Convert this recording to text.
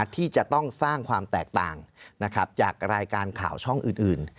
ที่จะต้องสร้างความแตกต่างจากรายการข่าวช่องอื่น